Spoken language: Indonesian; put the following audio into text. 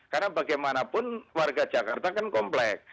karena bagaimanapun warga jakarta kan komplek